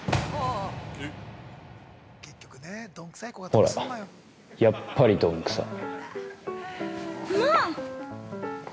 ◆ほら、やっぱりどんくさい。